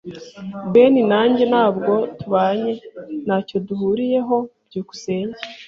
Ben na njye ntabwo tubanye. Ntacyo duhuriyeho. byukusenge